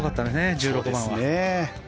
１６番は。